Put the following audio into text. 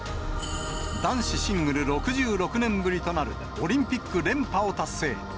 男子シングル６６年ぶりとなるオリンピック連覇を達成。